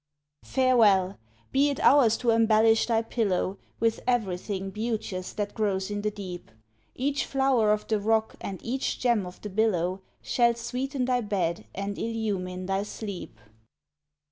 Farewell! be it ours to embellish thy pillow With everything beauteous that grows in the deep; Each flower of the rock and each gem of the billow Shall sweeten thy bed and illumine thy sleep.